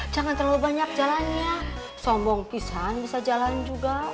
jangan terlalu banyak jalannya sombong pisan bisa jalan juga